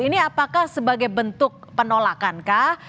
ini apakah sebagai bentuk penolakan kah